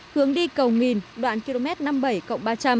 hướng đi cầu nghìn đoạn km năm mươi bảy cộng ba trăm linh